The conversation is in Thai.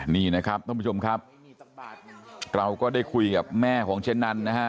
นี่นะครับท่านผู้ชมครับเราก็ได้คุยกับแม่ของเจ๊นันนะฮะ